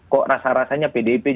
kok rasa rasanya pdip